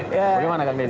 bagaimana kan denny